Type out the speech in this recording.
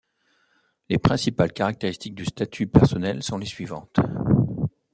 Les principales caractéristiques du statut personnel sont les suivantes.